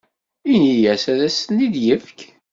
Ini-as ad as-ten-id-yefk.